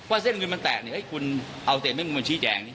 ว่าเส้นเงินมันแตะคุณเอาเตะเม้นท์มันชี้แจง